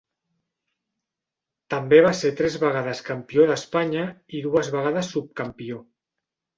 També va ser tres vegades campió d'Espanya i dues vegades subcampió.